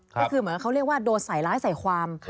ก็คือเหมือนเขาเรียกว่าโดนใส่ร้ายใส่ความ